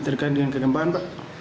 tergantung kegempaan pak